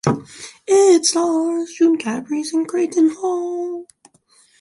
It stars June Caprice and Creighton Hale.